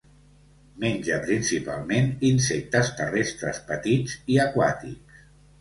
Menja principalment insectes terrestres petits i aquàtics.